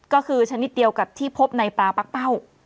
ก็คือชนิดเดียวกับที่พบในปลาปั๊กเป้า